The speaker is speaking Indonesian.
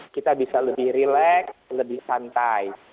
kita bisa lebih relax lebih santai